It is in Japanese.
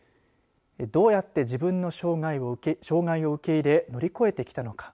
どうやって自分の障害を受け入れ、乗り越えてきたのか。